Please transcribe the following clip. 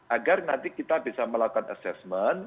agar nanti kita bisa melakukan assessment